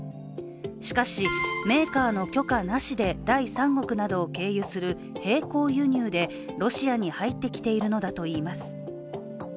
しかしメーカーの許可なしで第三国などを経由する並行輸入でロシアに入ってきているのだといいます。